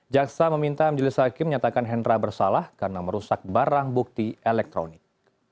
jaksa meminta menjelis hakim menyatakan hendra bersalah karena merusak barang bukti elektronik